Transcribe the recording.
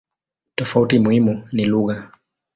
Tofauti muhimu ni lugha.